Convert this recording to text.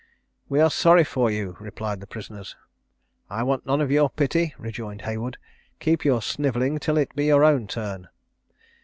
"We are sorry for you," replied the prisoners. "I want none of your pity," rejoined Haywood; "keep your snivelling till it be your own turn."